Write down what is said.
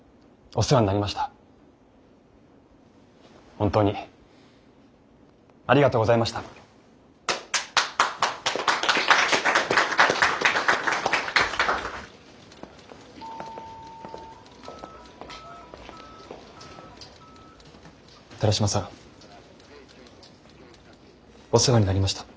お世話になりました。